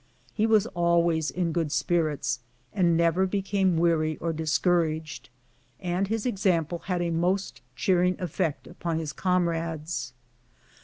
He was always in good spirits, and never became weary or discouraged, and his example had a most cheer ing effect upon his comrades.